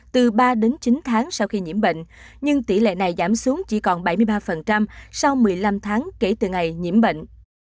từ ba đến chín tháng sau khi nhiễm bệnh nhưng tỷ lệ này giảm xuống chỉ còn bảy mươi ba sau một mươi năm tháng kể từ ngày nhiễm bệnh